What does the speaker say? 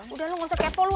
udah lu gak usah kepo lu